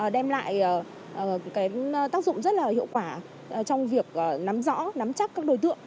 đem lại tác dụng rất là hiệu quả trong việc nắm rõ nắm chắc các đối tượng